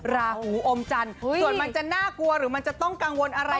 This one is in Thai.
ราหูอมจันทร์ส่วนมันจะน่ากลัวหรือมันจะต้องกังวลอะไร